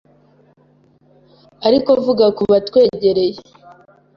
Ariko vuga kubatwegereye